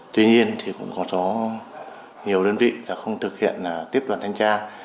tuy nhiên có nhiều đơn vị không thực hiện tiếp đoàn thanh tra